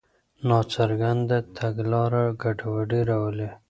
ناڅرګنده تګلاره ګډوډي راولي.